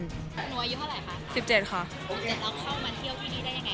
หนูอายุเท่าไรคะสิบเจ็ดค่ะสิบเจ็ดแล้วเข้ามาเที่ยวที่นี่ได้ยังไง